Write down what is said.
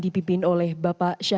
dan berikan kepada diri kita